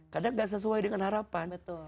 kadang gak sesuai dengan harapan